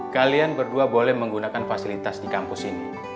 kalian berdua boleh menggunakan fasilitas di kampus ini